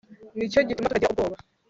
ni cyo gituma tutagira ubwoba